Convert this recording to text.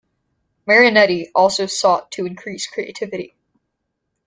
Marinetti also sought to increase creativity.